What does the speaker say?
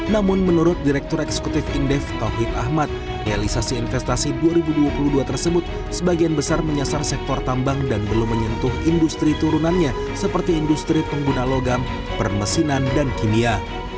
namun menurut direktur eksekutif indef tauhid ahmad realisasi investasi dua ribu dua puluh dua tersebut sebagian besar menyasar sektor tambang dan belum menyentuh industri turunannya seperti industri pengguna logam permesinan dan kimia